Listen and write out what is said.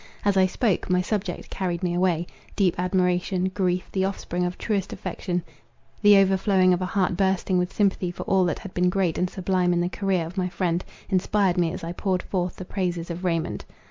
As I spoke, my subject carried me away; deep admiration; grief, the offspring of truest affection, the overflowing of a heart bursting with sympathy for all that had been great and sublime in the career of my friend, inspired me as I poured forth the praises of Raymond.